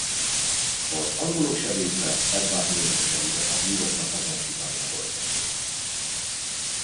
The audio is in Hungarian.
Az angolok sebésze Edward Mahon segített a búroknak azonosítani a holttestét.